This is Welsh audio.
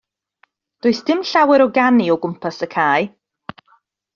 Does dim llawer o ganu o gwmpas y cae.